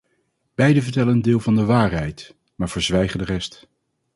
Beiden vertellen een deel van de waarheid, maar verzwijgen de rest.